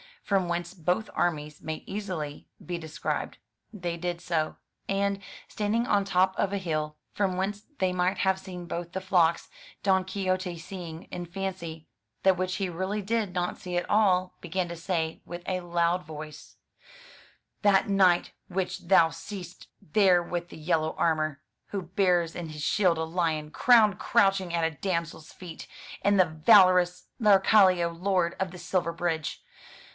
from whence both armies may easily be de They did so; and, standing on the top from whence they might have seen both the Don Quixote, seeing in fancy that which he not see at all, began to say, with a loud scribed," of a hill, flocks, really did voice: "That knight which thou seest there with the yellow armour, who bears in his shield a lion, crowned, crouching at a damsel's feet, is the valorous Laurcalio, lord of the silver bridge.